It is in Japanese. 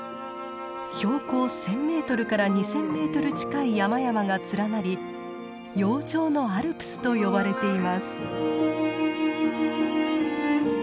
標高１，０００メートルから２，０００メートル近い山々が連なり「洋上のアルプス」と呼ばれています。